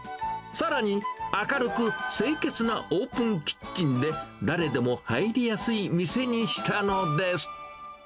さらに、明るく清潔なオープンキッチンで、誰でも入りやすい店にしたのです。